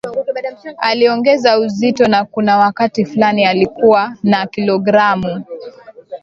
Aliongeza uzito na kuna wakati fulani alikuwa na kilogramu